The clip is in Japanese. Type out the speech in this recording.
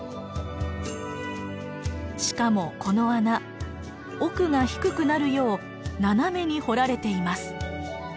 しかもこの穴奥が低くなるよう斜めに掘られています。